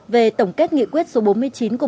về tổng kết nghị quyết số bốn mươi chín của bộ chính trị